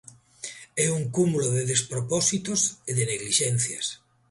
É un cúmulo de despropósitos e de neglixencias.